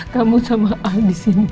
kamu sama al disini